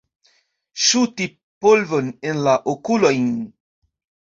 Ŝuti polvon en la okulojn.